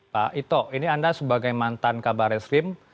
pak ito ini anda sebagai mantan kabar eskrim